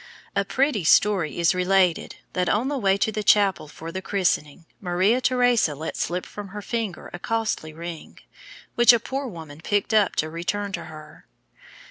A pretty story is related that on the way to the chapel for the christening, Maria Theresa let slip from her finger a costly ring, which a poor woman picked up to return to her.